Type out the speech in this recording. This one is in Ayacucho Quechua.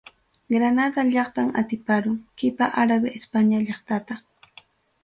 Granada llaqtam atiparun, qipa Árabe España llaqtata.